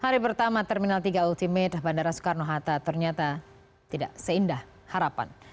hari pertama terminal tiga ultimate bandara soekarno hatta ternyata tidak seindah harapan